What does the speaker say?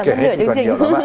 kể hết thì còn nhiều lắm